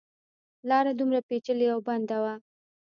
لاره دومره پېچلې او بنده وه.